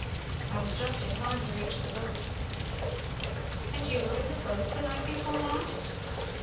I was just in time to reach the boat." "And you were in the boat night before last?"